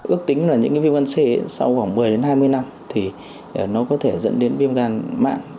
ước tính là những cái viêm gan c sau khoảng một mươi đến hai mươi năm thì nó có thể dẫn đến viêm gan mạng